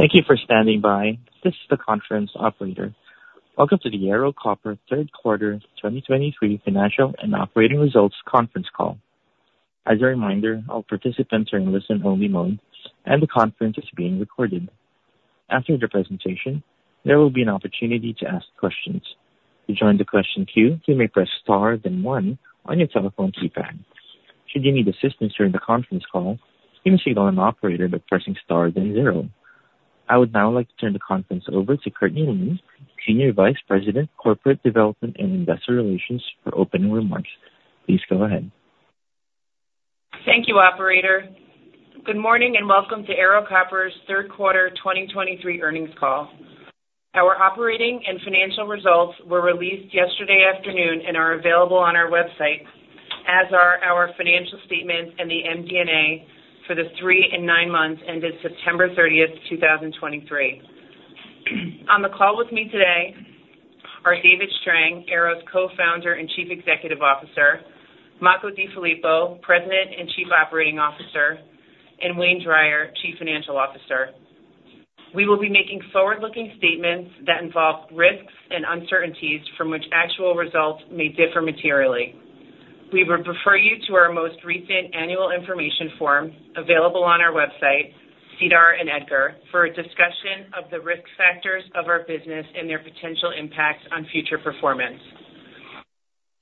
Thank you for standing by. This is the conference operator. Welcome to the Ero Copper Q3 2023 financial and operating results conference call. As a reminder, all participants are in listen-only mode, and the conference is being recorded. After the presentation, there will be an opportunity to ask questions. To join the question queue, you may press star then one on your telephone keypad. Should you need assistance during the conference call, you can signal an operator by pressing star then zero. I would now like to turn the conference over to Courtney Lynn, Senior Vice President, Corporate Development and Investor Relations, for opening remarks. Please go ahead. Thank you, operator. Good morning, and welcome to Ero Copper's Q3 2023 earnings call. Our operating and financial results were released yesterday afternoon and are available on our website, as are our financial statements and the MD&A for the three and nine months ended September 30, 2023. On the call with me today are David Strang, Ero's Co-Founder and Chief Executive Officer, Makko DeFilippo, President and Chief Executive Officer, and Wayne Drier, Chief Financial Officer. We will be making forward-looking statements that involve risks and uncertainties from which actual results may differ materially. We would refer you to our most recent annual information form available on our website, SEDAR, and EDGAR, for a discussion of the risk factors of our business and their potential impact on future performance.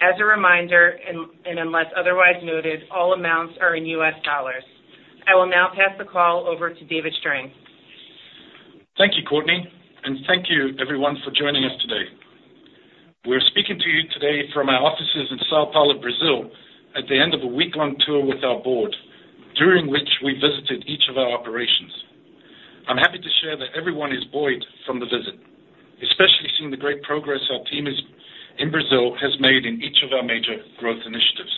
As a reminder, unless otherwise noted, all amounts are in U.S. dollars. I will now pass the call over to David Strang. Thank you, Courtney, and thank you everyone for joining us today. We're speaking to you today from our offices in São Paulo, Brazil, at the end of a week-long tour with our board, during which we visited each of our operations. I'm happy to share that everyone is buoyed from the visit, especially seeing the great progress our team in Brazil has made in each of our major growth initiatives.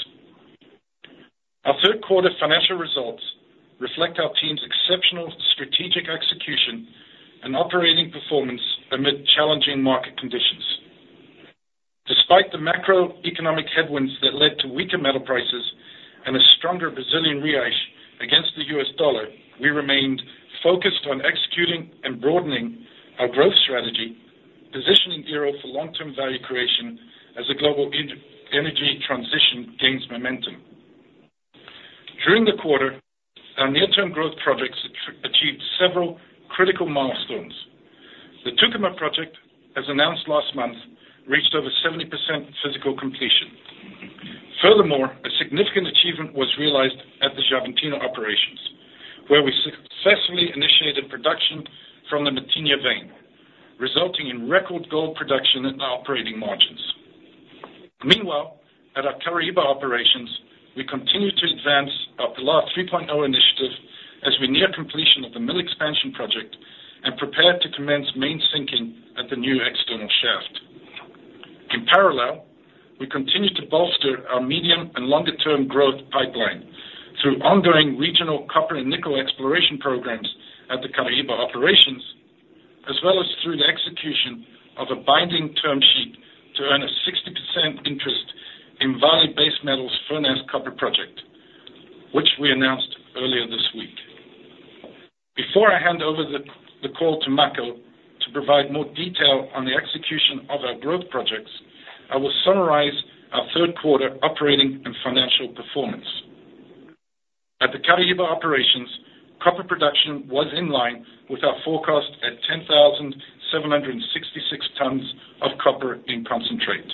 Our Q3 financial results reflect our team's exceptional strategic execution and operating performance amid challenging market conditions. Despite the macroeconomic headwinds that led to weaker metal prices and a stronger Brazilian real against the US dollar, we remained focused on executing and broadening our growth strategy, positioning Ero for long-term value creation as a global energy transition gains momentum. During the quarter, our near-term growth projects achieved several critical milestones. The Tucumã Operation, as announced last month, reached over 70% physical completion. Furthermore, a significant achievement was realized at the Xavantina Operations, where we successfully initiated production from the Matinha vein, resulting in record gold production and operating margins. Meanwhile, at our Caraíba Operations, we continue to advance our Pilar 3.0 initiative as we near completion of the mill expansion project and prepare to commence main sinking at the new external shaft. In parallel, we continue to bolster our medium and longer-term growth pipeline through ongoing regional copper and nickel exploration programs at the Caraíba Operations, as well as through the execution of a binding term sheet to earn a 60% interest in Vale Base Metals' Furnas Copper-Gold Project, which we announced earlier this week. Before I hand over the call to Makko to provide more detail on the execution of our growth projects, I will summarize ourQ3 operating and financial performance. At the Caraíba Operations, copper production was in line with our forecast at 10,766 tons of copper in concentrate.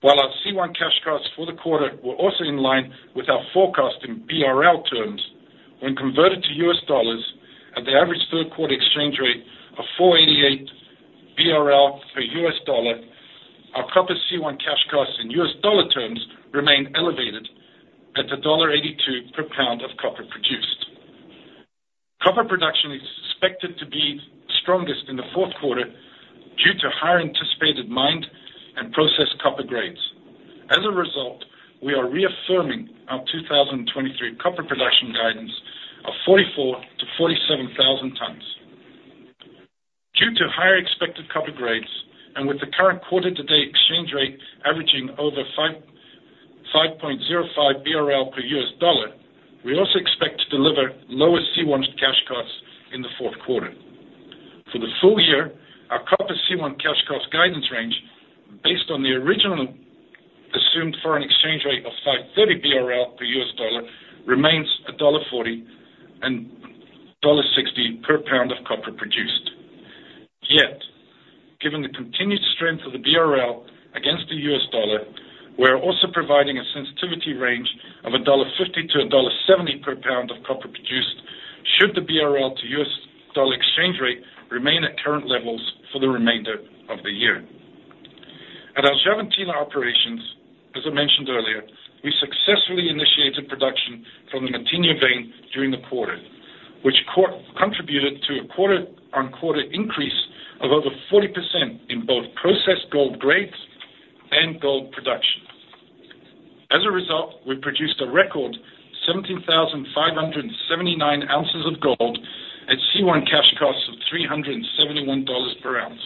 While our C1 cash costs for the quarter were also in line with our forecast in BRL terms, when converted to US dollars at the average Q3 exchange rate of 4.88 BRL per US dollar, our copper C1 cash costs in US dollar terms remained elevated at $1.82 per pound of copper produced. Copper production is expected to be strongest in the Q4 due to higher anticipated mined and processed copper grades. As a result, we are reaffirming our 2023 copper production guidance of 44,000-47,000 tons. Due to higher expected copper grades, and with the current quarter-to-date exchange rate averaging over 5.05 BRL per US dollar, we also expect to deliver lower C1 cash costs in the Q4. For the full year, our copper C1 cash cost guidance range, based on the original assumed foreign exchange rate of 5.30 BRL per US dollar, remains $1.40-$1.60 per pound of copper produced. Yet, given the continued strength of the BRL against the US dollar, we are also providing a sensitivity range of $1.50-$1.70 per pound of copper produced, should the BRL to US dollar exchange rate remain at current levels for the remainder of the year. At our Xavantina operations, as I mentioned earlier, we successfully initiated production from the Matinha vein during the quarter, which contributed to a quarter-on-quarter increase of over 40% in both processed gold grades and gold production. As a result, we produced a record 17,579 ounces of gold at C1 cash costs of $371 per ounce.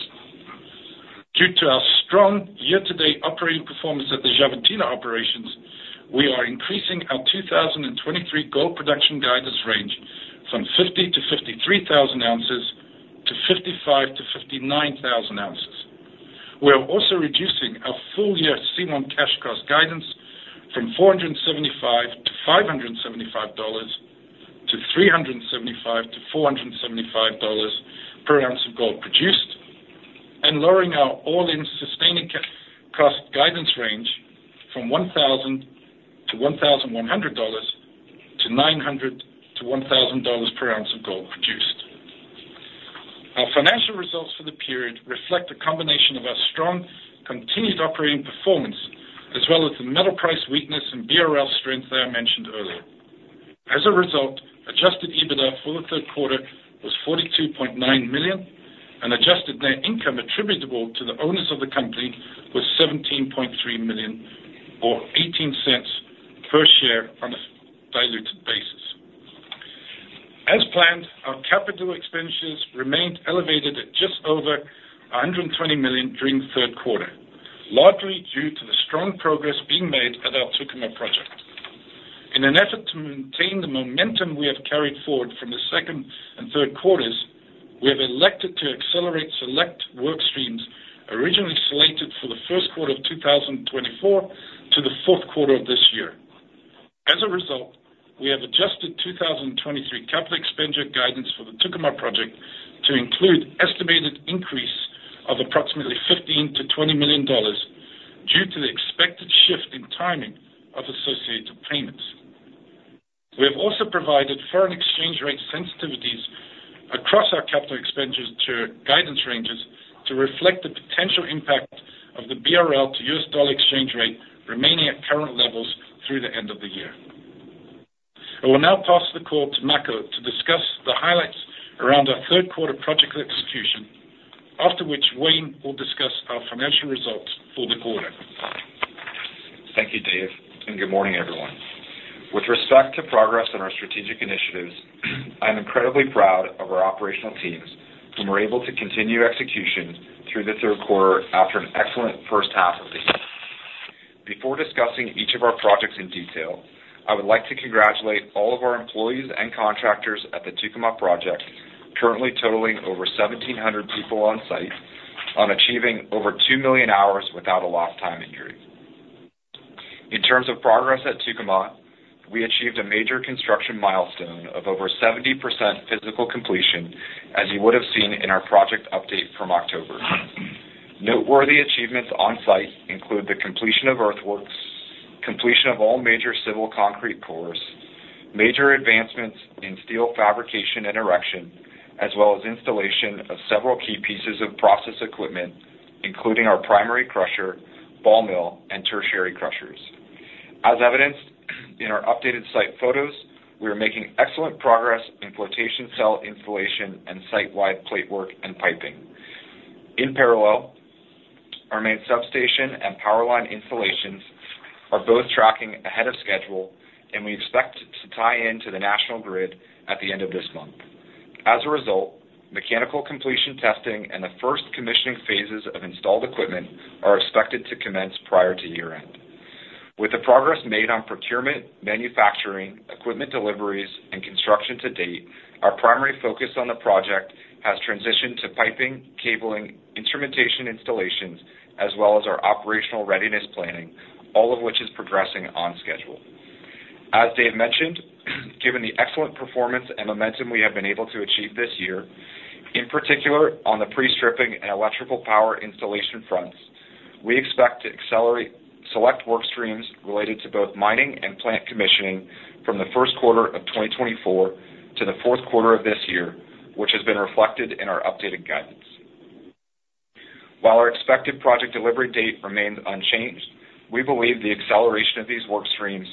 Due to our strong year-to-date operating performance at the Xavantina operations, we are increasing our 2023 gold production guidance range from 50,000-53,000 ounces to 55,000-59,000 ounces. We are also reducing our full-year C1 cash costs guidance from $475-$575 to $375-$475 per ounce of gold produced, and lowering our all-in sustaining cost guidance range from $1,000-$1,100 to $900-$1,000 per ounce of gold produced. Our financial results for the period reflect a combination of our strong, continued operating performance, as well as the metal price weakness and BRL strength that I mentioned earlier. As a result, adjusted EBITDA for the Q3 was $42.9 million, and adjusted net income attributable to the owners of the company was $17.3 million, or $0.18 per share on a diluted basis. As planned, our capital expenditures remained elevated at just over $120 million during the Q3, largely due to the strong progress being made at our Tucumã project. In an effort to maintain the momentum we have carried forward from the second and Q3, we have elected to accelerate select work streams originally slated for the Q1 of 2024 to the fourth quarter of this year. As a result, we have adjusted 2023 capital expenditure guidance for the Tucumã project to include estimated increase of approximately $15-$20 million due to the expected shift in timing of associated payments. We have also provided foreign exchange rate sensitivities across our capital expenditures to guidance ranges to reflect the potential impact of the BRL to US dollar exchange rate remaining at current levels through the end of the year. I will now pass the call to Makko to discuss the highlights around our Q3 project execution, after which Wayne will discuss our financial results for the quarter. Thank you, Dave, and good morning, everyone. With respect to progress on our strategic initiatives, I'm incredibly proud of our operational teams, who were able to continue execution through the Q3 after an excellent first half of the year. Before discussing each of our projects in detail, I would like to congratulate all of our employees and contractors at the Tucumã project, currently totaling over 1,700 people on site, on achieving over 2,000,000 hours without a lost time injury. In terms of progress at Tucumã, we achieved a major construction milestone of over 70% physical completion, as you would have seen in our project update from October. Noteworthy achievements on site include the completion of earthworks, completion of all major civil concrete pours, major advancements in steel fabrication and erection, as well as installation of several key pieces of process equipment, including our primary crusher, ball mill, and tertiary crushers. As evidenced in our updated site photos, we are making excellent progress in flotation cell installation and site-wide platework and piping. In parallel, our main substation and power line installations are both tracking ahead of schedule, and we expect to tie in to the national grid at the end of this month. As a result, mechanical completion testing and the first commissioning phases of installed equipment are expected to commence prior to year-end. With the progress made on procurement, manufacturing, equipment deliveries, and construction to date, our primary focus on the project has transitioned to piping, cabling, instrumentation installations, as well as our operational readiness planning, all of which is progressing on schedule. As Dave mentioned, given the excellent performance and momentum we have been able to achieve this year, in particular on the pre-stripping and electrical power installation fronts, we expect to accelerate select work streams related to both mining and plant commissioning from the Q1 of 2024 to the Q4 of this year, which has been reflected in our updated guidance. While our expected project delivery date remains unchanged, we believe the acceleration of these work streams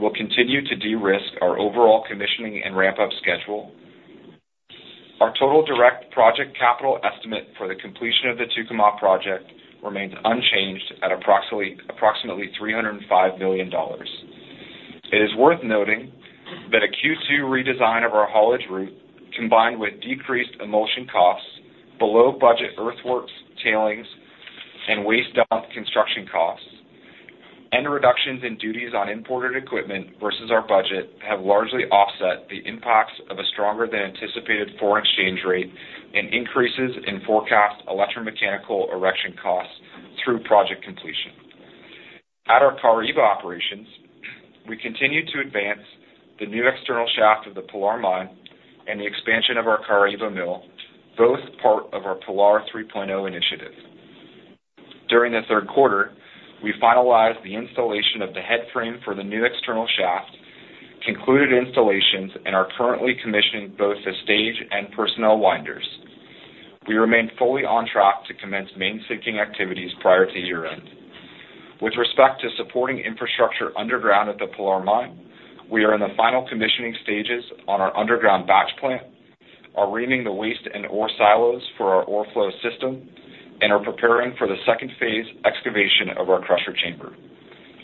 will continue to de-risk our overall commissioning and ramp-up schedule. Our total direct project capital estimate for the completion of the Tucumã project remains unchanged at approximately $305 million. It is worth noting that a Q2 redesign of our haulage route, combined with decreased emulsion costs, below budget earthworks, tailings, and waste dump construction costs, and reductions in duties on imported equipment versus our budget, have largely offset the impacts of a stronger than anticipated foreign exchange rate and increases in forecast electromechanical erection costs through project completion. At our Caraíba operations, we continue to advance the new external shaft of the Pilar mine and the expansion of our Caraíba mill, both part of our Pilar 3.0 initiative. During the Q3, we finalized the installation of the headframe for the new external shaft, concluded installations, and are currently commissioning both the stage and personnel winders. We remain fully on track to commence main sinking activities prior to year-end. With respect to supporting infrastructure underground at the Pilar Mine, we are in the final commissioning stages on our underground batch plant, are reaming the waste and ore silos for our ore flow system, and are preparing for the second phase excavation of our crusher chamber.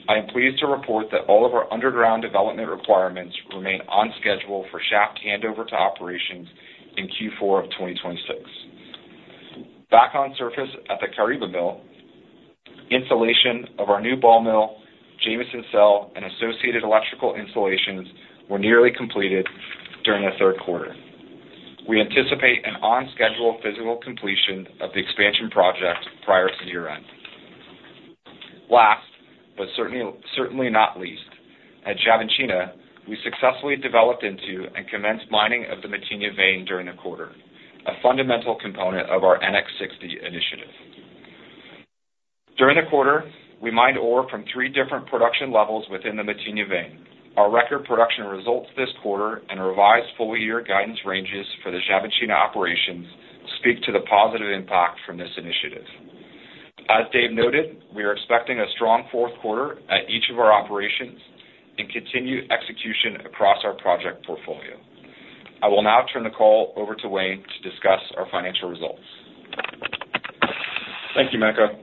I am pleased to report that all of our underground development requirements remain on schedule for shaft handover to operations in Q4 of 2026. Back on surface at the Caraíba mill, installation of our new ball mill, Jameson Cell, and associated electrical installations were nearly completed during the Q3. We anticipate an on-schedule physical completion of the expansion project prior to year-end. Last, but certainly, certainly not least, at Xavantina, we successfully developed into and commenced mining of the Matinha vein during the quarter, a fundamental component of our NX60 initiative. During the quarter, we mined ore from three different production levels within the Matinha vein. Our record production results this quarter and revised full-year guidance ranges for the Xavantina operations speak to the positive impact from this initiative. As Dave noted, we are expecting a strong fourth quarter at each of our operations and continued execution across our project portfolio. I will now turn the call over to Wayne to discuss our financial results. Thank you, Makko.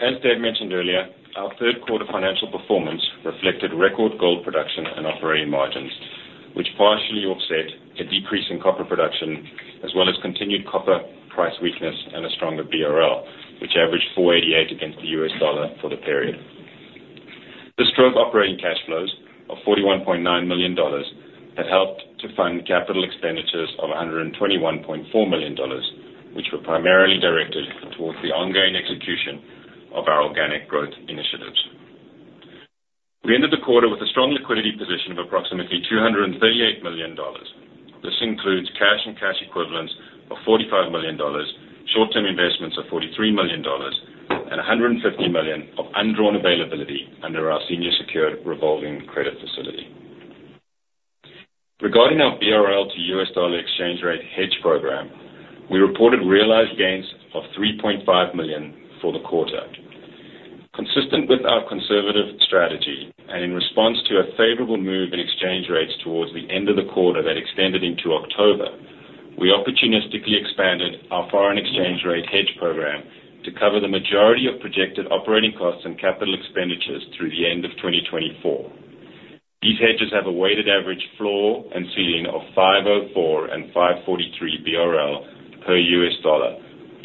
As David mentioned earlier, our Q3 financial performance reflected record gold production and operating margins, which partially offset a decrease in copper production, as well as continued copper price weakness and a stronger BRL, which averaged 4.88 against the US dollar for the period. The strong operating cash flows of $41.9 million have helped to fund capital expenditures of $121.4 million, which were primarily directed towards the ongoing execution of our organic growth initiatives. We ended the quarter with a strong liquidity position of approximately $238 million. This includes cash and cash equivalents of $45 million, short-term investments of $43 million, and $150 million of undrawn availability under our senior secured revolving credit facility. Regarding our BRL to U.S. dollar exchange rate hedge program, we reported realized gains of $3.5 million for the quarter. Consistent with our conservative strategy, and in response to a favorable move in exchange rates towards the end of the quarter that extended into October, we opportunistically expanded our foreign exchange rate hedge program to cover the majority of projected operating costs and capital expenditures through the end of 2024. These hedges have a weighted average floor and ceiling of 504 and 543 BRL per U.S. dollar,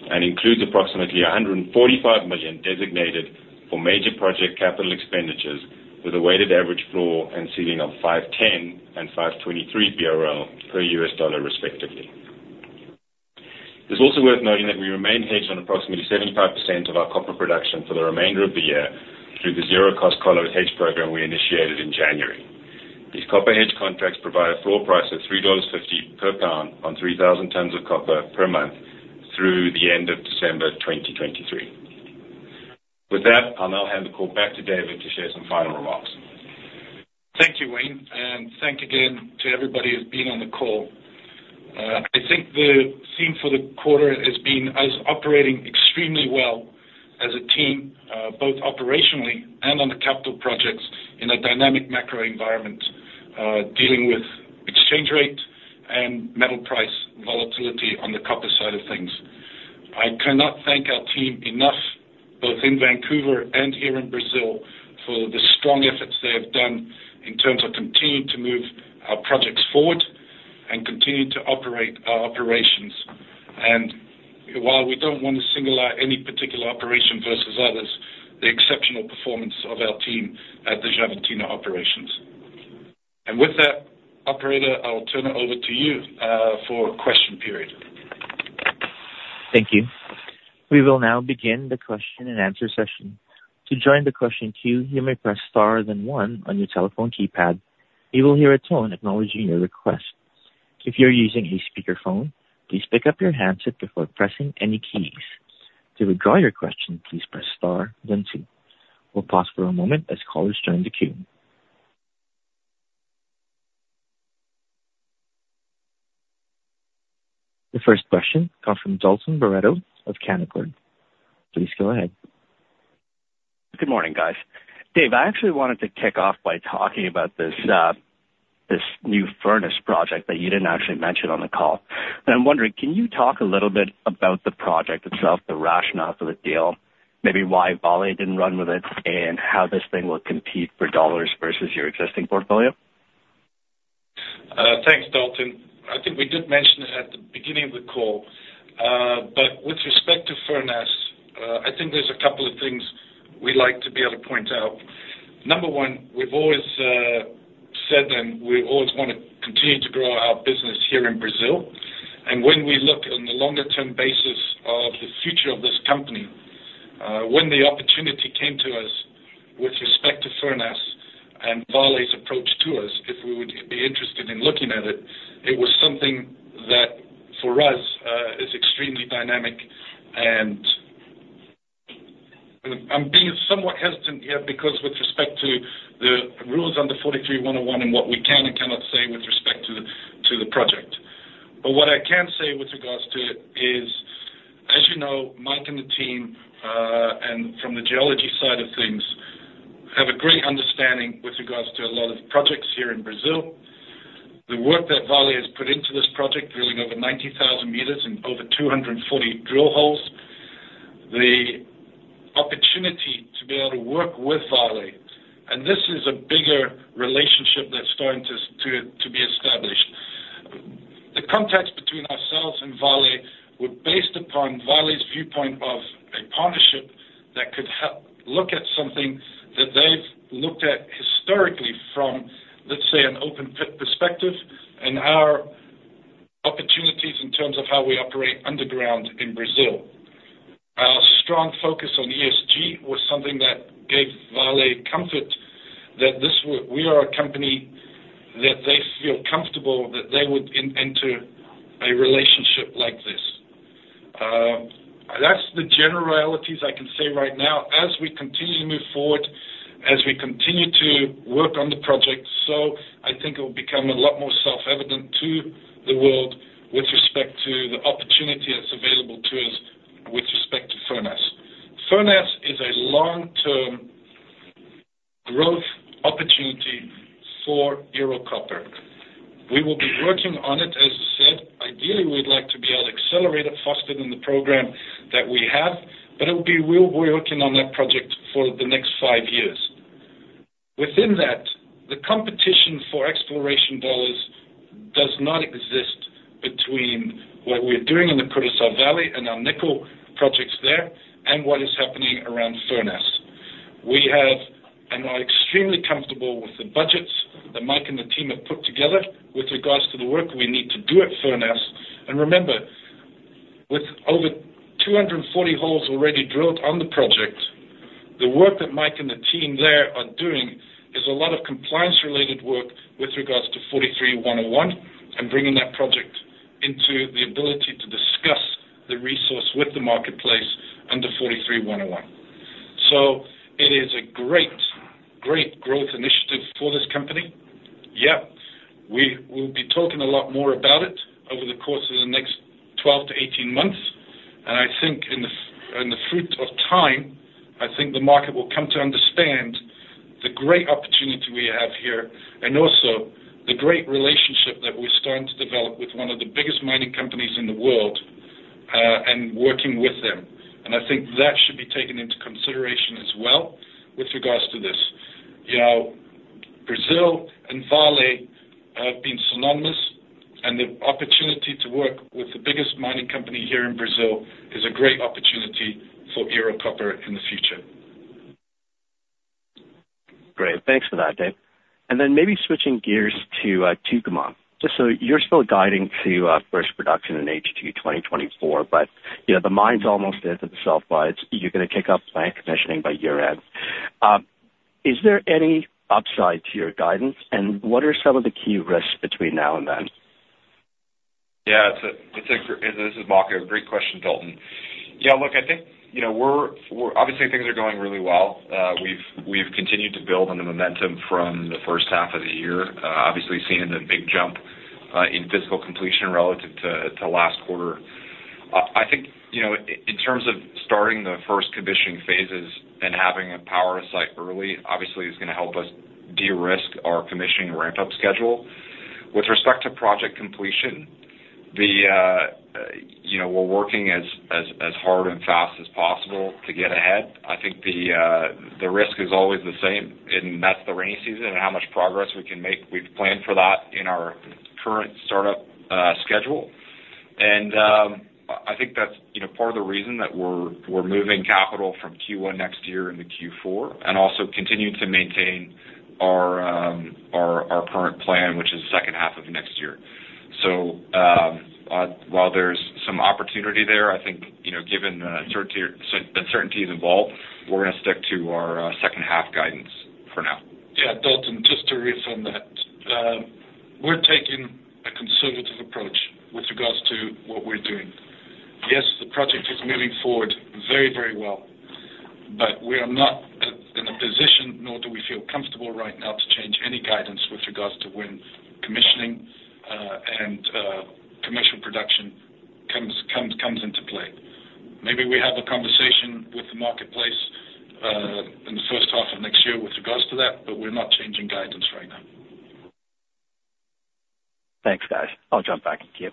and includes approximately $145 million designated for major project capital expenditures, with a weighted average floor and ceiling of 510 and 523 BRL per U.S. dollar, respectively. It's also worth noting that we remain hedged on approximately 75% of our copper production for the remainder of the year through the zero-cost collar hedge program we initiated in January. These copper hedge contracts provide a floor price of $3.50 per pound on 3,000 tons of copper per month through the end of December 2023. With that, I'll now hand the call back to David to share some final remarks. Thank you, Wayne, and thank again to everybody who's been on the call. I think the theme for the quarter has been us operating extremely well as a team, both operationally and on the capital projects in a dynamic macro environment, dealing with exchange rate and metal price volatility on the copper side of things. I cannot thank our team enough, both in Vancouver and here in Brazil, for the strong efforts they have done in terms of continuing to move our projects forward and continuing to operate our operations. And while we don't want to single out any particular operation versus others, the exceptional performance of our team at the Xavantina Operations. And with that, operator, I'll turn it over to you, for question period. Thank you. We will now begin the question and answer session. To join the question queue, you may press star then one on your telephone keypad. You will hear a tone acknowledging your request. If you're using a speakerphone, please pick up your handset before pressing any keys. To withdraw your question, please press star then two. We'll pause for a moment as callers join the queue. The first question comes from Dalton Baretto of Canaccord. Please go ahead. Good morning, guys. Dave, I actually wanted to kick off by talking about this, this new Furnas project that you didn't actually mention on the call. I'm wondering, can you talk a little bit about the project itself, the rationale for the deal, maybe why Vale didn't run with it, and how this thing will compete for dollars versus your existing portfolio? Thanks, Dalton. I think we did mention it at the beginning of the call, but with respect to Furnas, I think there's a couple of things we'd like to be able to point out. Number one, we've always said, and we always want to continue to grow our business here in Brazil. And when we look on the longer-term basis of the future of this company, when the opportunity came to us with respect to Furnas and Vale's approach to us, if we would be interested in looking at it, it was something that, for us, is extremely dynamic. And I'm being somewhat hesitant here because with respect to the rules on the 43-101 and what we can and cannot say with respect to the project. But what I can say with regards to it is, as you know, Mike and the team, and from the geology side of things, have a great understanding of projects here in Brazil. The work that Vale has put into this project, drilling over 90,000 meters in over 240 drill holes, the opportunity to be able to work with Vale, and this is a bigger relationship that's starting to be established. The contacts between ourselves and Vale were based upon Vale's viewpoint of a partnership that could help look at something that they've looked at historically from, let's say, an open pit perspective, and our opportunities in terms of how we operate underground in Brazil. Our strong focus on ESG was something that gave Vale comfort that this, we are a company that they feel comfortable that they would enter a relationship like this. That's the generalities I can say right now. As we continue to move forward, as we continue to work on the project, so I think it will become a lot more self-evident to the world with respect to the opportunity that's available to us with respect to Furnas. Furnas is a long-term growth opportunity for Ero Copper. We will be working on it, as you said. Ideally, we'd like to be able to accelerate it faster than the program that we have, but it'll be, we'll be working on that project for the next five years. Within that, the competition for exploration dollars does not exist between what we're doing in the Curaçá Valley and our nickel projects there and what is happening around Furnas. We have and are extremely comfortable with the budgets that Mike and the team have put together with regards to the work we need to do at Furnas. And remember, with over 240 holes already drilled on the project, the work that Mike and the team there are doing is a lot of compliance-related work with regards to 43-101, and bringing that project into the ability to discuss the resource with the marketplace under 43-101. So it is a great, great growth initiative for this company. Yeah, we will be talking a lot more about it over the course of the next 12-18 months, and I think in the fullness of time, I think the market will come to understand the great opportunity we have here, and also the great relationship that we're starting to develop with one of the biggest mining companies in the world, and working with them. And I think that should be taken into consideration as well with regards to this. You know, Brazil and Vale have been synonymous, and the opportunity to work with the biggest mining company here in Brazil is a great opportunity for Ero Copper in the future. Great, thanks for that, Dave. And then maybe switching gears to Tucumã. Just so you're still guiding to first production in H2 2024, but, you know, the mine's almost there to the sulfides. You're gonna kick off plant commissioning by year-end. Is there any upside to your guidance, and what are some of the key risks between now and then? Yeah, it's a great... This is Makko. Great question, Dalton. Yeah, look, I think, you know, we're obviously things are going really well. We've continued to build on the momentum from the first half of the year, obviously seeing the big jump in physical completion relative to last quarter. I think, you know, in terms of starting the first commissioning phases and having a power site early, obviously is gonna help us de-risk our commissioning ramp-up schedule. With respect to project completion, you know, we're working as hard and fast as possible to get ahead. I think the risk is always the same, and that's the rainy season and how much progress we can make. We've planned for that in our current startup schedule. I think that's, you know, part of the reason that we're moving capital from Q1 next year into Q4, and also continuing to maintain our current plan, which is second half of next year. So, while there's some opportunity there, I think, you know, given the uncertainty, the uncertainties involved, we're gonna stick to our second half guidance for now. Yeah, Dalton, just to reconfirm that, we're taking a conservative approach with regards to what we're doing. Yes, the project is moving forward very, very well, but we are not in a position, nor do we feel comfortable right now to change any guidance with regards to when commissioning and commercial production comes into play. Maybe we have a conversation with the marketplace in the first half of next year with regards to that, but we're not changing guidance right now. Thanks, guys. I'll jump back in to you.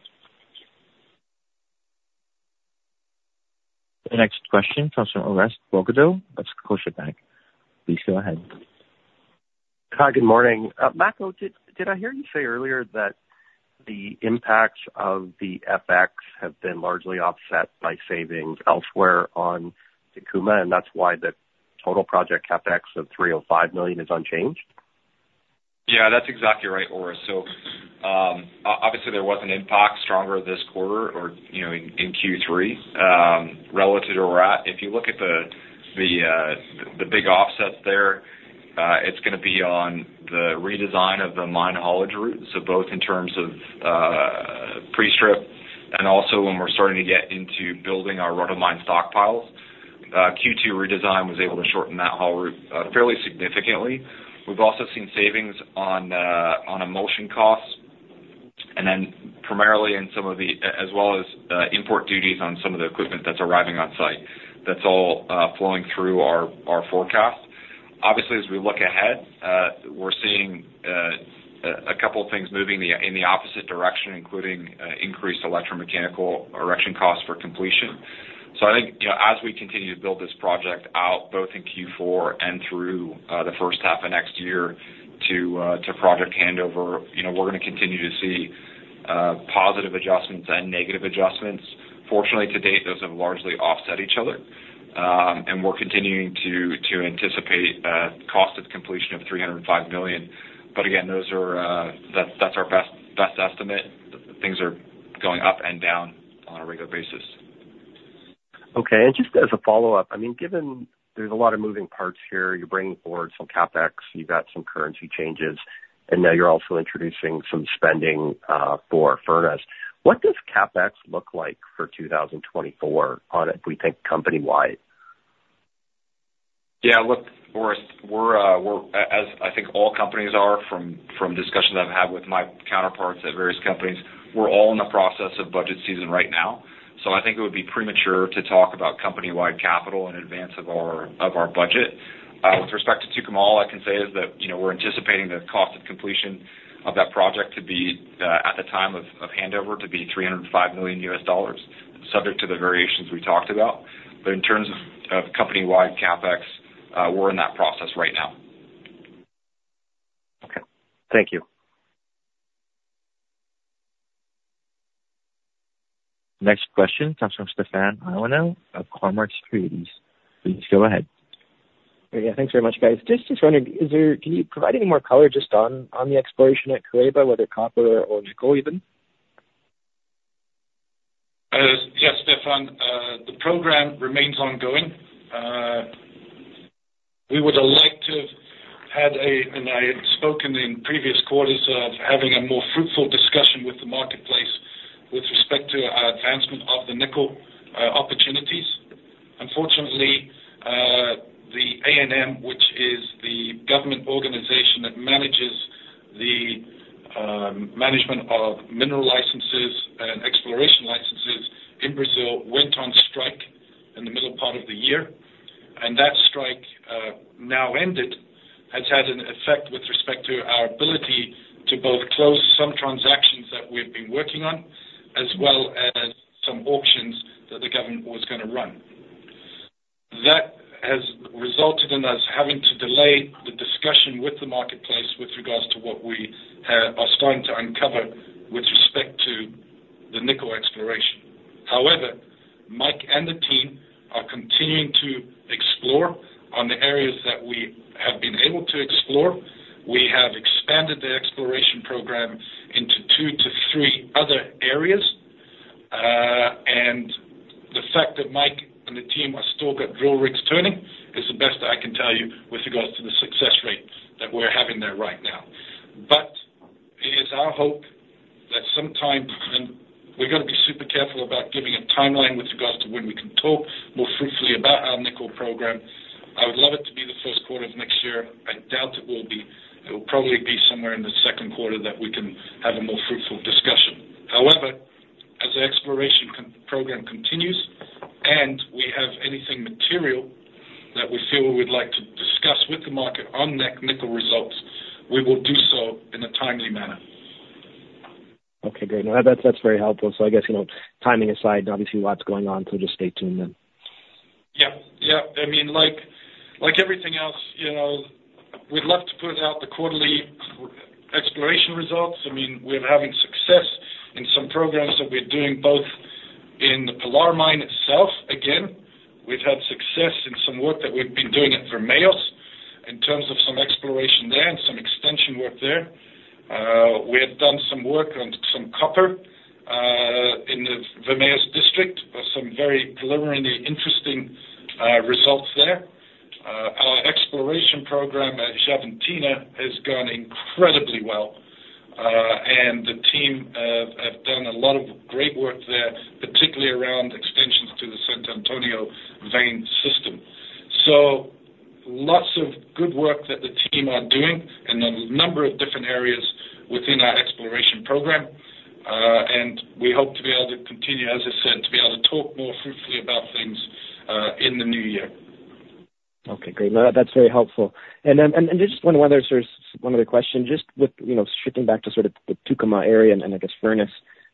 The next question comes from Orest Wowkodaw of Scotiabank. Please go ahead. Hi, good morning. Marco, did I hear you say earlier that the impacts of the FX have been largely offset by savings elsewhere on Tucumã, and that's why the total project CapEx of $305 million is unchanged? Yeah, that's exactly right, Orest. So, obviously, there was an impact stronger this quarter or, you know, in Q3, relative to where we're at. If you look at the big offsets there, it's gonna be on the redesign of the mine haulage route. So both in terms of pre-strip and also when we're starting to get into building our run-of-mine stockpiles. Q2 redesign was able to shorten that haul route fairly significantly. We've also seen savings on demolition costs. And then primarily in some of the, as well as import duties on some of the equipment that's arriving on site, that's all flowing through our forecast. Obviously, as we look ahead, we're seeing a couple of things moving in the opposite direction, including increased electromechanical erection costs for completion. So I think, you know, as we continue to build this project out, both in Q4 and through the first half of next year to project handover, you know, we're gonna continue to see positive adjustments and negative adjustments. Fortunately, to date, those have largely offset each other, and we're continuing to anticipate cost of completion of $305 million. But again, those are that's our best estimate. Things are going up and down on a regular basis. Okay. And just as a follow-up, I mean, given there's a lot of moving parts here, you're bringing forward some CapEx, you've got some currency changes, and now you're also introducing some spending for Furnas. What does CapEx look like for 2024 on it, if we think company-wide? Yeah, look, Boris, we're, as I think all companies are from discussions I've had with my counterparts at various companies, we're all in the process of budget season right now. So I think it would be premature to talk about company-wide capital in advance of our budget. With respect to Tucumã, all I can say is that, you know, we're anticipating the cost of completion of that project to be, at the time of handover, to be $305 million, subject to the variations we talked about. But in terms of company-wide CapEx, we're in that process right now. Okay. Thank you. Next question comes from Stefan Ioannou of Cormark Securities. Please go ahead. Yeah, thanks very much, guys. Just wondering, can you provide any more color just on the exploration at Correia, whether copper or nickel even? Yes, Stefan, the program remains ongoing. We would have liked to have had, and I had spoken in previous quarters of having a more fruitful discussion with the marketplace with respect to advancement of the nickel opportunities. Unfortunately, the ANM, which is the government organization that manages the management of mineral licenses and exploration licenses in Brazil, went on strike in the middle part of the year, and that strike, now ended, has had an effect with respect to our ability to both close some transactions that we've been working on, as well as some auctions that the government was gonna run. That has resulted in us having to delay the discussion with the marketplace with regards to what we are starting to uncover with respect to the nickel exploration. However, Mike and the team are continuing to explore on the areas that we have been able to explore. We have expanded the exploration program into 2-3 other areas, and the fact that Mike and the team are still got drill rigs turning, is the best I can tell you with regards to the success rate that we're having there right now. But it is our hope that sometime, and we've got to be super careful about giving a timeline with regards to when we can talk more fruitfully about our nickel program. I would love it to be the first quarter of next year. I doubt it will be. It will probably be somewhere in the second quarter that we can have a more fruitful discussion. However, as the exploration copper program continues and we have anything material that we feel we'd like to discuss with the market on nickel results, we will do so in a timely manner. Okay, great. No, that's, that's very helpful. So I guess, you know, timing aside, obviously, lots going on, so just stay tuned then. Yeah. Yeah. I mean, like, like everything else, you know, we'd love to put out the quarterly exploration results. I mean, we're having success in some programs that we're doing, both in the Pilar Mine itself. Again, we've had success in some work that we've been doing at Vermelhos, in terms of some exploration there and some extension work there. We had done some work on some copper in the Vermelhos district, some very deliberately interesting results there. Our exploration program at Xavantina has gone incredibly well, and the team have done a lot of great work there, particularly around extensions to the Santo Antonio Vein System. So lots of good work that the team are doing in a number of different areas within our exploration program, and we hope to be able to continue, as I said, to be able to talk more fruitfully about things in the new year. Okay, great. No, that's very helpful. And then, and just one other, sort of, one other question, just with, you know, shifting back to sort of the Tucumã area and, and I guess, Furnas.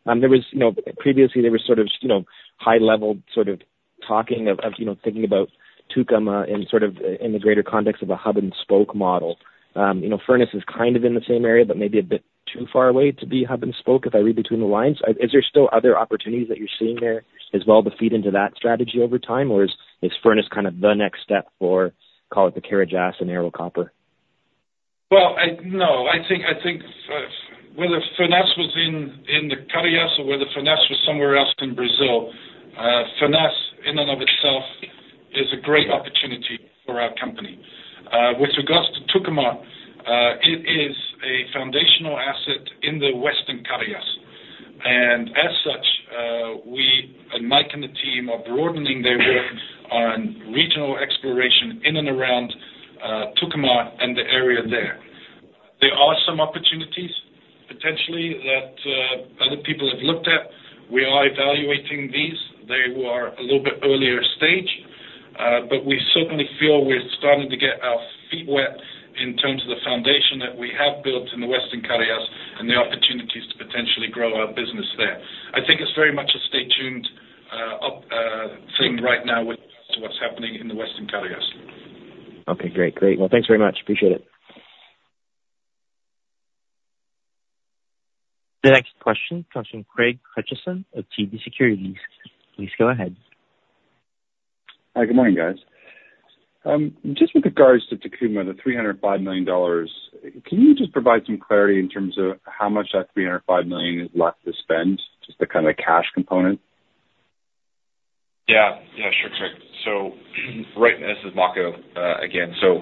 There was, you know, previously, there was sort of, you know, high-level sort of talking of, you know, thinking about Tucumã in sort of the greater context of a hub-and-spoke model. You know, Furnas is kind of in the same area, but maybe a bit too far away to be hub-and-spoke, if I read between the lines. Is there still other opportunities that you're seeing there as well, to feed into that strategy over time, or is Furnas kind of the next step for, call it the Carajás and Ero copper? Well, no, I think whether Furnas was in the Carajás or whether Furnas was somewhere else in Brazil, Furnas in and of itself is a great opportunity for our company. With regards to Tucumã, it is a foundational asset in the Western Carajás. And as such, we and Mike and the team are broadening their work on regional exploration in and around Tucumã and the area there. There are some opportunities, potentially, that other people have looked at. We are evaluating these. They are a little bit earlier stage, but we certainly feel we're starting to get our feet wet in terms of the foundation that we have built in the Western Carajás, and the opportunities to potentially grow our business there. I think it's very much a stay tuned thing right now with as to what's happening in the Western Carajás. Okay, great. Great. Well, thanks very much. Appreciate it. The next question comes from Craig Hutchison of TD Securities. Please go ahead. Hi, good morning, guys. Just with regards to Tucumã, the $305 million, can you just provide some clarity in terms of how much that $305 million is left to spend, just the kind of cash component? Yeah. Yeah, sure, Craig. So, right, this is Makko, again. So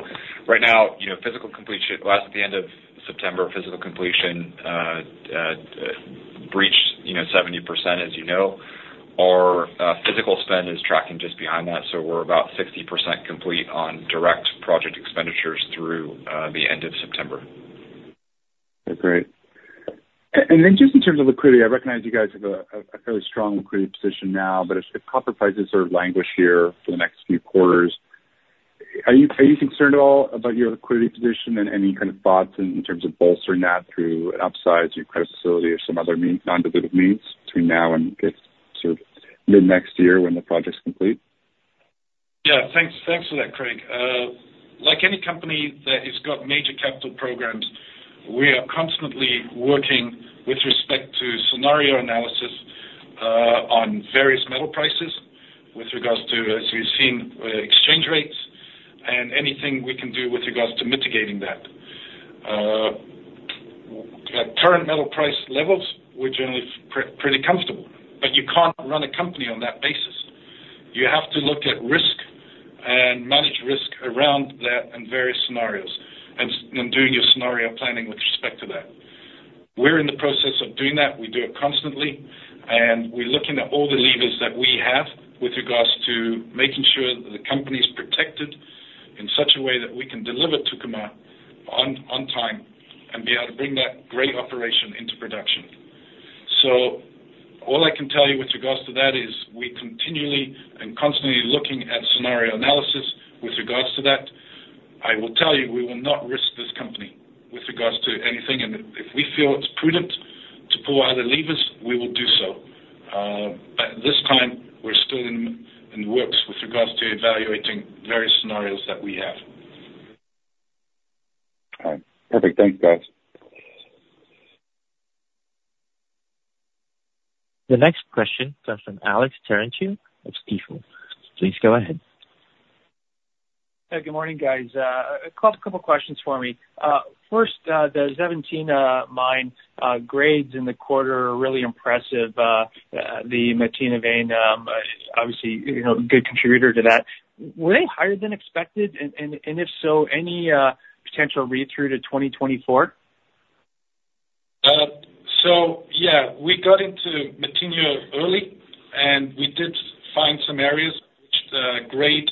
right now, you know, physical completion, well, at the end of September, physical completion, breached, you know, 70%, as you know. Our, physical spend is tracking just behind that, so we're about 60% complete on direct project expenditures through, the end of September. Great. And then just in terms of liquidity, I recognize you guys have a fairly strong liquidity position now, but if copper prices sort of languish here for the next few quarters, are you concerned at all about your liquidity position and any kind of thoughts in terms of bolstering that through an upside to your credit facility or some other means, non-dilutive means, between now and get sort of mid-next year when the project's complete? Yeah. Thanks, thanks for that, Craig. Like any company that has got major capital programs, we are constantly working with respect to scenario analysis on various metal prices, with regards to, as you've seen, exchange rates and anything we can do with regards to mitigating that. At current metal price levels, we're generally pretty comfortable, but you can't run a company on that basis. You have to look at risk and manage risk around that in various scenarios, and do your scenario planning with respect to that. We're in the process of doing that, we do it constantly, and we're looking at all the levers that we have with regards to making sure that the company is protected in such a way that we can deliver Tucumã on time and be able to bring that great operation into production. So all I can tell you with regards to that is we continually and constantly looking at scenario analysis with regards to that. I will tell you, we will not risk this company with regards to anything, and if, if we feel it's prudent to pull other levers, we will do so. But this time, we're still in the works with regards to evaluating various scenarios that we have. All right. Perfect. Thanks, guys. The next question comes from Alex Terentiew of Stifel. Please go ahead. Hey, good morning, guys. Got a couple questions for me. First, the Xavantina mine grades in the quarter are really impressive. The Matinha vein, obviously, you know, a good contributor to that. Were they higher than expected? And if so, any potential read-through to 2024? So yeah, we got into Matinha early, and we did find some areas which the grade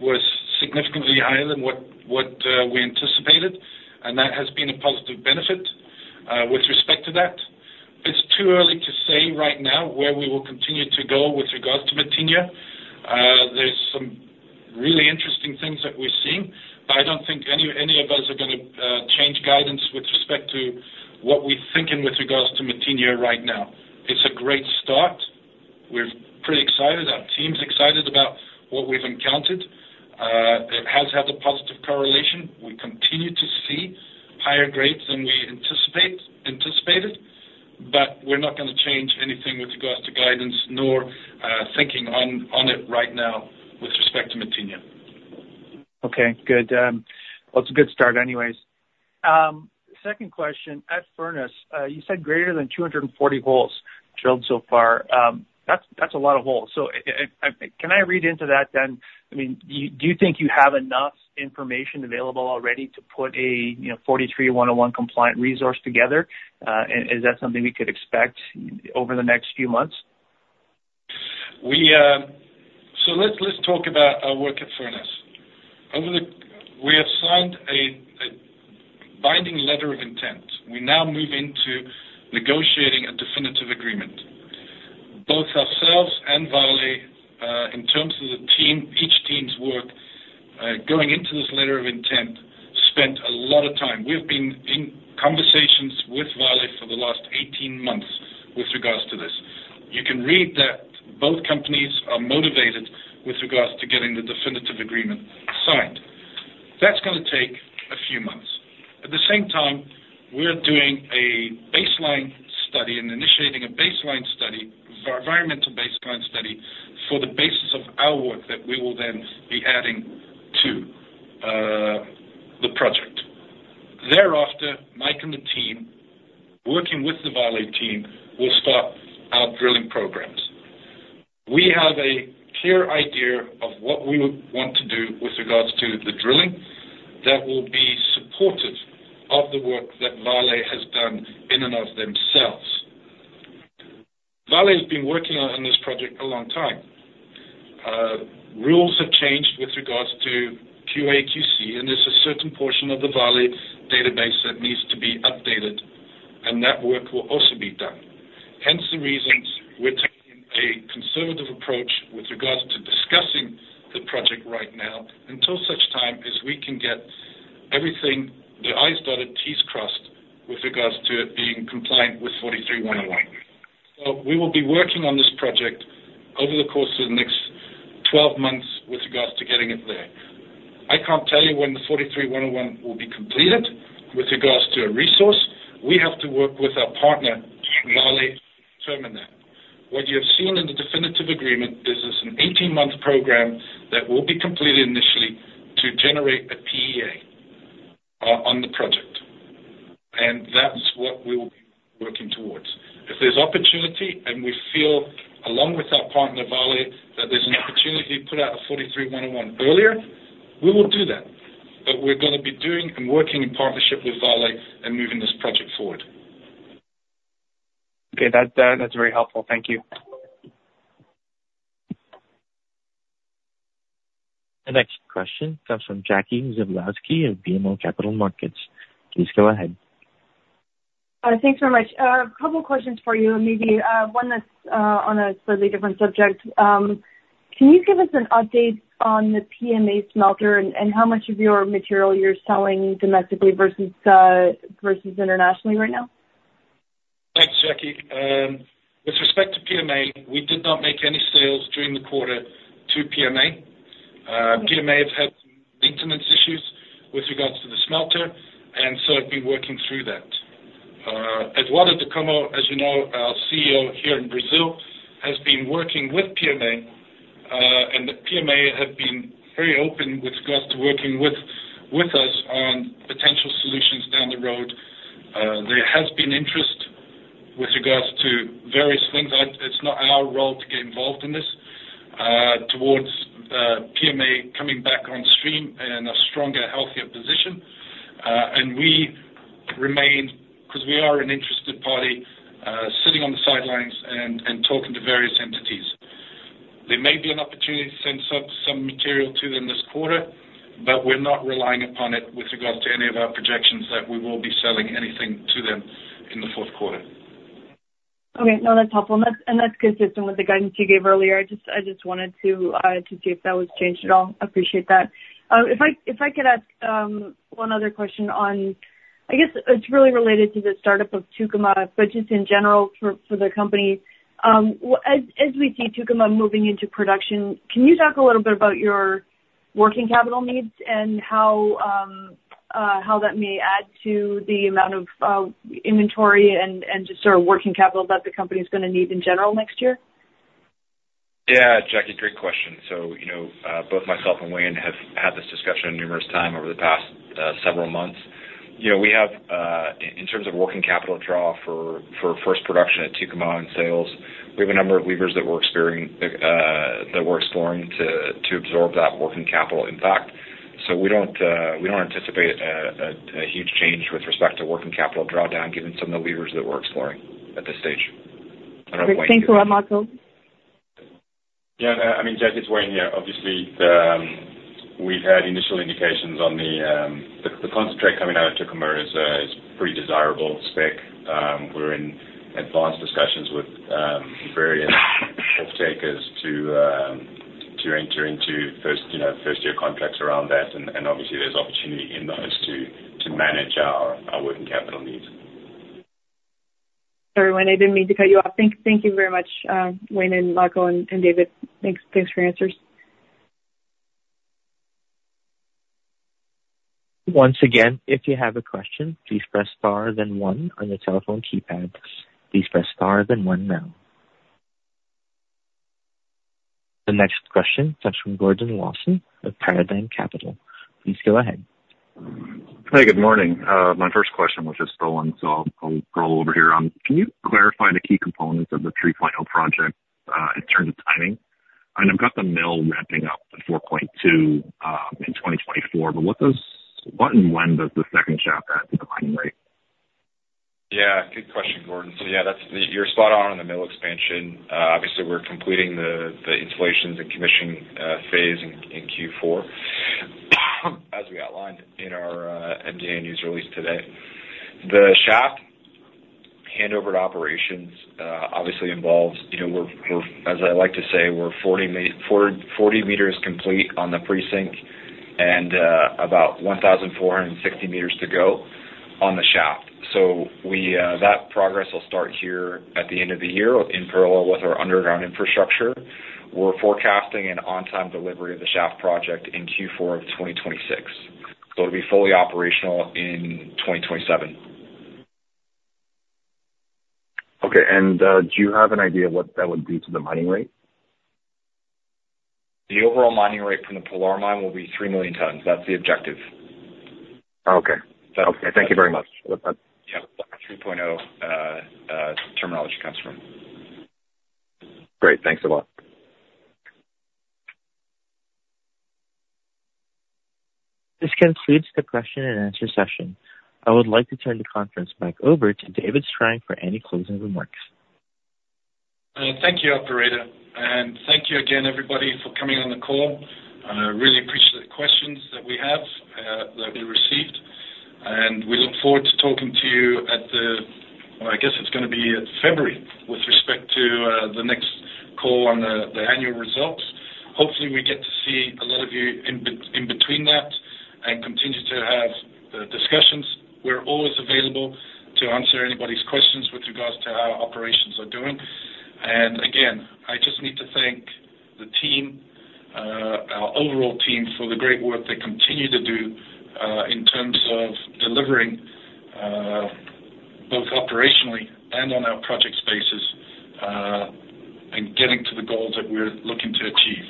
was significantly higher than what we anticipated, and that has been a positive benefit. With respect to that, it's too early to say right now where we will continue to go with regards to Matinha. There's some really interesting things that we're seeing, but I don't think any of us are gonna change guidance with respect to what we're thinking with regards to Matinha right now. It's a great start. We're pretty excited. Our team's excited about what we've encountered. It has had a positive correlation. We continue to see higher grades than we anticipated, but we're not gonna change anything with regards to guidance, nor thinking on it right now with respect to Matinha. Okay, good. Well, it's a good start anyways. Second question: at Furnas, you said greater than 240 holes drilled so far. That's, that's a lot of holes. So if, can I read into that then? I mean, do you, do you think you have enough information available already to put a, you know, 43-101 compliant resource together? And is that something we could expect over the next few months? We, so let's, let's talk about our work at Furnas. We have signed a binding letter of intent. We now move into negotiating a definitive agreement. Both ourselves and Vale, in terms of the team, each team's work, going into this letter of intent, spent a lot of time. We've been in conversations with Vale for the last 18 months with regards to this. You can read that both companies are motivated with regards to getting the definitive agreement signed. That's gonna take a few months. At the same time, we're doing a baseline study and initiating a baseline study, for our environmental baseline study, for the basis of our work that we will then be adding to, the project. Thereafter, Mike and the team, working with the Vale team, will start our drilling programs. We have a clear idea of what we would want to do with regards to the drilling that will be supportive of the work that Vale has done in and of themselves.... Vale has been working on this project a long time. Rules have changed with regards to QAQC, and there's a certain portion of the Vale database that needs to be updated, and that work will also be done. Hence, the reasons we're taking a conservative approach with regards to discussing the project right now, until such time as we can get everything, the i's dotted, t's crossed, with regards to it being compliant with 43-101. So we will be working on this project over the course of the next 12 months with regards to getting it there. I can't tell you when the 43-101 will be completed. With regards to a resource, we have to work with our partner, Vale, to determine that. What you have seen in the definitive agreement, this is an 18-month program that will be completed initially to generate a PEA on the project, and that's what we will be working towards. If there's opportunity, and we feel, along with our partner, Vale, that there's an opportunity to put out a 43-101 earlier, we will do that, but we're gonna be doing and working in partnership with Vale and moving this project forward. Okay, that, that's very helpful. Thank you. The next question comes from Jackie Przybylowski of BMO Capital Markets. Please go ahead. Thanks so much. A couple questions for you, and maybe one that's on a slightly different subject. Can you give us an update on the PMA smelter and, and how much of your material you're selling domestically versus versus internationally right now? Thanks, Jackie. With respect to PMA, we did not make any sales during the quarter to PMA. PMA has had maintenance issues with regards to the smelter, and so I've been working through that. Eduardo De Come, as you know, our CEO here in Brazil, has been working with PMA, and the PMA have been very open with regards to working with us on potential solutions down the road. There has been interest with regards to various things. It's not our role to get involved in this towards PMA coming back on stream in a stronger, healthier position. And we remain, 'cause we are an interested party, sitting on the sidelines and talking to various entities. There may be an opportunity to send some material to them this quarter, but we're not relying upon it with regards to any of our projections that we will be selling anything to them in the Q4. Okay. No, that's helpful. And that's consistent with the guidance you gave earlier. I just wanted to see if that was changed at all. I appreciate that. If I could ask one other question on. I guess it's really related to the startup of Tucumã, but just in general for the company. As we see Tucumã moving into production, can you talk a little bit about your working capital needs and how that may add to the amount of inventory and just sort of working capital that the company's gonna need in general next year? Yeah, Jackie, great question. So, you know, both myself and Wayne have had this discussion numerous times over the past, several months. You know, we have, in terms of working capital draw for first production at Tucumã in sales, we have a number of levers that we're exploring to absorb that working capital impact. So we don't, we don't anticipate a huge change with respect to working capital drawdown, given some of the levers that we're exploring at this stage. I don't know if Wayne- Thanks a lot, Makko. Yeah, I mean, Jackie, it's Wayne here. Obviously, we've had initial indications on the, the concentrate coming out of Tucumã is pretty desirable spec. We're in advanced discussions with various off-takers to enter into first, you know, first-year contracts around that. And obviously, there's opportunity in those to manage our working capital needs. Sorry, Wayne, I didn't mean to cut you off. Thank you very much, Wayne, and Makko, and David. Thanks for your answers. Once again, if you have a question, please press star then one on your telephone keypads. Please press star then one now. The next question comes from Gordon Lawson of Paradigm Capital. Please go ahead. Hey, good morning. My first question was just stolen, so I'll go over here. Can you clarify the key components of the 3.0 project in terms of timing? And I've got the mill ramping up to 4.2 in 2024, but what does—what and when does the second shaft add to the mining rate? Yeah, good question, Gordon. So yeah, that's. You're spot on in the mill expansion. Obviously, we're completing the installations and commissioning phase in Q4, as we outlined in our MD&A news release today. The shaft handover to operations obviously involves, you know, we're, as I like to say, we're 40 meters complete on the pre-sink and about 1,460 meters to go on the shaft. So that progress will start here at the end of the year, in parallel with our underground infrastructure. We're forecasting an on-time delivery of the shaft project in Q4 of 2026. So it'll be fully operational in 2027. Okay. And, do you have an idea of what that would do to the mining rate? The overall mining rate from the Pilar Mine will be 3 million tons. That's the objective. Okay. Okay, thank you very much. Yeah, that's where the 3.0 terminology comes from. Great. Thanks a lot. This concludes the question and answer session. I would like to turn the conference back over to David Strang for any closing remarks. Thank you, operator, and thank you again everybody for coming on the call. I really appreciate the questions that we have, that we received, and we look forward to talking to you at the... Well, I guess it's gonna be February with respect to, the next call on the annual results. Hopefully, we get to see a lot of you in between that and continue to have the discussions. We're always available to answer anybody's questions with regards to how our operations are doing. And again, I just need to thank the team, our overall team for the great work they continue to do, in terms of delivering, both operationally and on our project spaces, and getting to the goals that we're looking to achieve.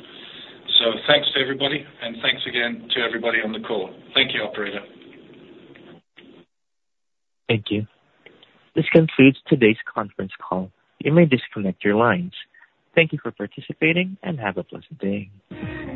So thanks to everybody, and thanks again to everybody on the call. Thank you, operator. Thank you. This concludes today's conference call. You may disconnect your lines. Thank you for participating, and have a pleasant day.